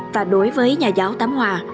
và đối với nhà giáo tám hòa